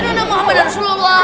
allahumma khabar rasulullah